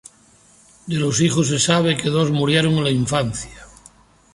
De los hijos, se sabe que dos murieron en la infancia.